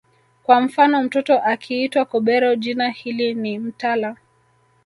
Kwa mfano mtoto akiitwa Kobero jina hili ni mtala